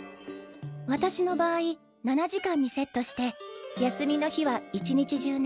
私の場合７時間にセットして休みの日は一日中ね